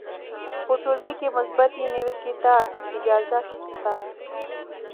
په ټولګي کې مثبتې نیوکې ته اجازه سته.